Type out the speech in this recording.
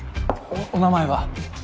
おお名前は？